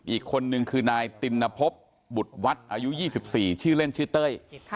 อีกคนนึงคือนายตินนพบบุทวัฒน์อายุยี่สิบสี่ชื่อเล่นชื่อเต้ย